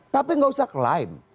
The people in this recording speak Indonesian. tapi tidak usah klaim